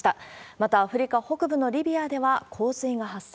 また、アフリカ北部のリビアでは、洪水が発生。